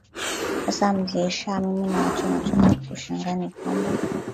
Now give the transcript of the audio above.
sasa mzee shah mimi ninacho nachotaka kushangaa ni kwamba